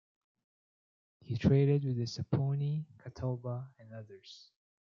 He traded with the Saponi, Catawba, and others.